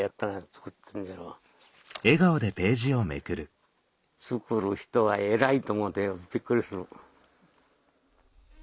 作る人は偉いと思うてびっくりする。